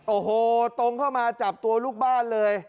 โอ้โหตรงเข้ามาจับตัวลูกบ้านเลย